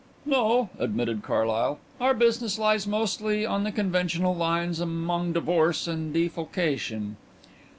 "No," admitted Mr Carlyle; "our business lies mostly on the conventional lines among divorce and defalcation."